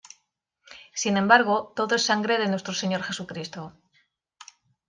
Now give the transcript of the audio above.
sin embargo, todo es sangre de Nuestro Señor Jesucristo.